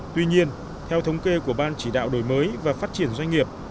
tuy nhiên theo thống kê của ban chỉ đạo đổi mới và phát triển doanh nghiệp